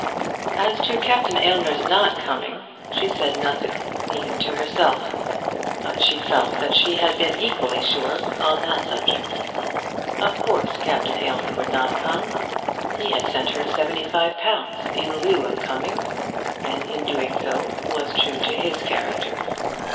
As to Captain Aylmer's not coming she said nothing, even to herself; but she felt that she had been equally sure on that subject. Of course, Captain Aylmer would not come! He had sent her seventy five pounds in lieu of coming, and in doing so was true to his character.